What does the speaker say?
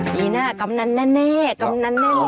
ปีหน้ากำนันแน่กำนันแน่